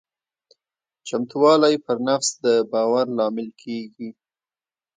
چمتووالی پر نفس د باور لامل کېږي.